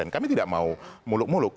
kami tidak mau muluk muluk